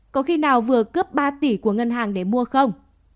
có khi nào vừa cướp ba tỷ của ngân hàng để mua không